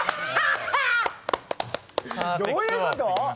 どういうこと？